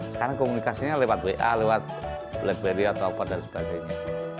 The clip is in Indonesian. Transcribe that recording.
sekarang komunikasinya lewat wa lewat blackberry atau apa dan sebagainya